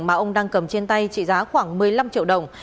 mà ông đang cầm trên tay trị giá khoảng một mươi năm triệu đồng